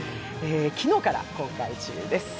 昨日から公開中です。